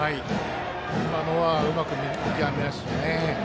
今のはうまく見極めました。